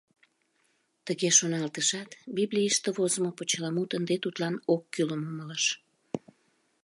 Тыге шоналтышат, Библийыште возымо почеламут ынде тудлан оккӱлым умылыш.